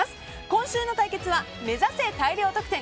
今週の対決は目指せ大量得点！